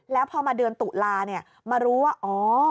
แล้วพอมาเดือนตุลามารู้ว่าอ๋อ